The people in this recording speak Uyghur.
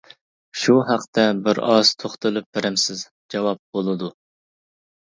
شۇ ھەقتە بىرئاز توختىلىپ بېرەمسىز؟ جاۋاب: بولىدۇ.